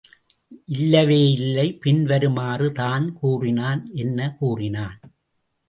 இல்லவேயில்லை பின்வருமாறு தான் கூறினான் என்ன கூறினான்?